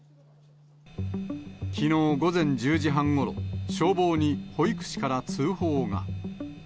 きのう午前１０時半ごろ、消防に保育士から通報が。